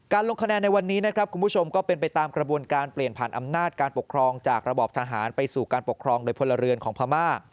ลงคะแนนในวันนี้นะครับคุณผู้ชมก็เป็นไปตามกระบวนการเปลี่ยนผ่านอำนาจการปกครองจากระบอบทหารไปสู่การปกครองโดยพลเรือนของพม่า